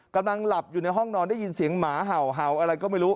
กำลังหลับอยู่ในห้องนอนได้ยินเสียงหมาเห่าอะไรก็ไม่รู้